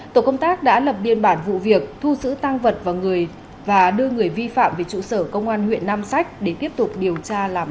tổ công tác đã lập biên bản vụ việc thu xử tăng vật và người và đưa người vi phạm về trụ sở công an huyện nam sách để tiếp tục điều tra làm rõ